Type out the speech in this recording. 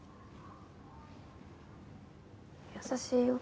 優しいよ。